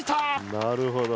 なるほど。